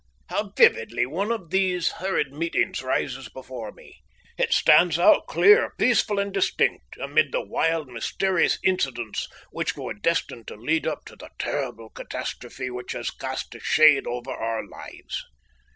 How vividly one of these hurried meetings rises before me! It stands out clear, peaceful, and distinct amid the wild, mysterious incidents which were destined to lead up to the terrible catastrophe which has cast a shade over our lives.